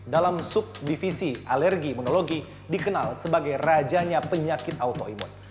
dalam subdivisi alergi imunologi dikenal sebagai rajanya penyakit autoimun